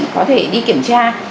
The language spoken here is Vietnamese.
có thể đi kiểm tra